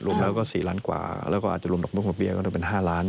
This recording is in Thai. รวมแล้วก็๔ล้านกว่าแล้วก็อาจจะรวมลงทั้งหมดเบี้ยก็จะเป็น๕ล้าน